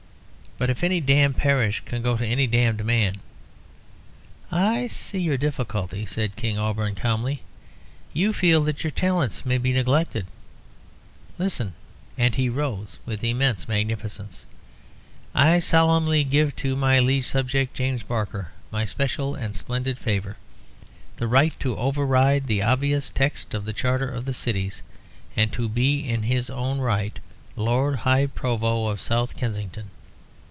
But if any damned parish can go to any damned man " "I see your difficulty," said King Auberon, calmly. "You feel that your talents may be neglected. Listen!" And he rose with immense magnificence. "I solemnly give to my liege subject, James Barker, my special and splendid favour, the right to override the obvious text of the Charter of the Cities, and to be, in his own right, Lord High Provost of South Kensington.